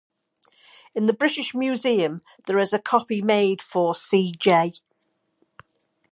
In the British Museum there is a copy made for C. J.